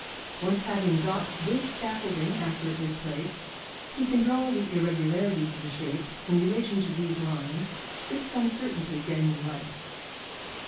Once having got this scaffolding accurately placed, he can draw the irregularities of the shape in relation to these lines with some certainty of getting them right.